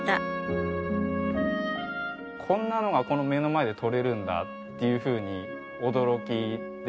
こんなのがこの目の前でとれるんだっていうふうに驚きで。